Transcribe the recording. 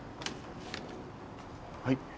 はい。